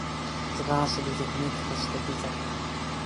ځغاسته د ذهني خستګي ضد ده